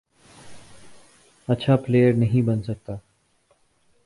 اچھا پلئیر نہیں بن سکتا،